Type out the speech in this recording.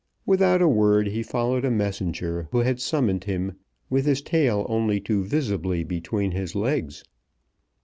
Without a word he followed a messenger who had summoned him, with his tail only too visibly between his legs.